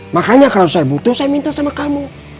makanya kalau saya butuh saya minta sama kamu